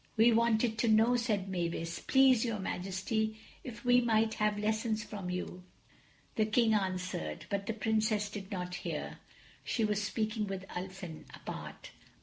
"We wanted to know," said Mavis, "please, your Majesty, if we might have lessons from you." The King answered, but the Princess did not hear. She was speaking with Ulfin, apart.